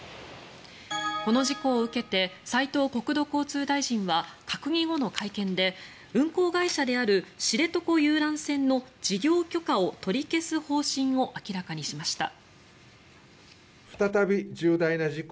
この事故を受けて斉藤国土交通大臣は閣議後の会見で運航会社である知床遊覧船の事業許可を取り消す方針を明らかにしました。